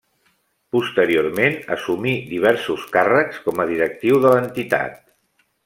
Posteriorment assumí diversos càrrecs com a directiu de l’entitat.